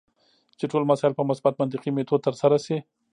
چې ټول مسایل په مثبت منطقي میتود ترسره شي.